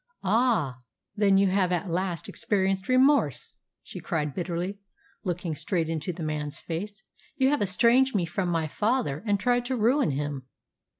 "Ah, then you have at last experienced remorse!" she cried bitterly, looking straight into the man's face. "You have estranged me from my father, and tried to ruin him!